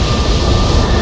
aku akan menangkapmu